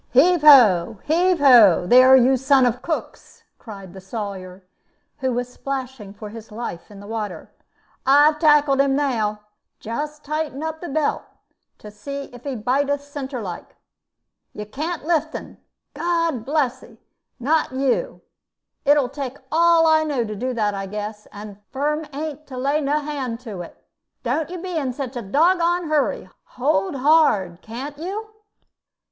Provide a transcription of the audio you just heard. "Heave ho! heave ho! there, you sons of cooks!" cried the Sawyer, who was splashing for his life in the water. "I've tackled 'un now. Just tighten up the belt, to see if he biteth centre like. You can't lift 'un! Lord bless 'ee, not you. It 'll take all I know to do that, I guess; and Firm ain't to lay no hand to it. Don't you be in such a doggoned hurry. Hold hard, can't you?"